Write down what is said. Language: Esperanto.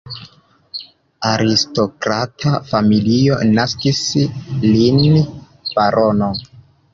Aristokrata familio naskis lin barono.